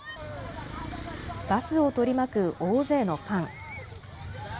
バスを取り巻く大勢のファン。